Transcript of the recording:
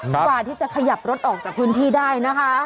ขอบคุณครับขอบคุณครับ